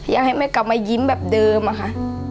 อยากให้แม่กลับมายิ้มแบบเดิมอะค่ะ